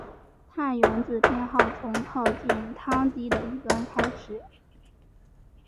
碳原子编号从靠近羰基的一端开始。